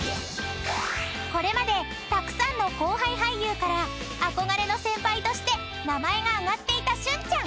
［これまでたくさんの後輩俳優から憧れの先輩として名前が挙がっていた旬ちゃん］